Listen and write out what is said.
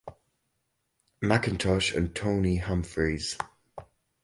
Mackintosh and Tony Humphries.